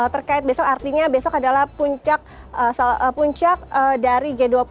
terkait besok artinya besok adalah puncak dari g dua puluh